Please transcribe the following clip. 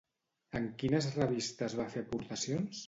En quines revistes va fer aportacions?